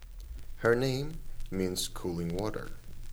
Her name means "cooling water".